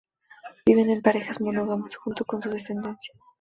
Viven en parejas monógamas, junto con su descendencia.